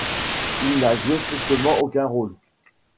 Il n’a joué strictement aucun rôle.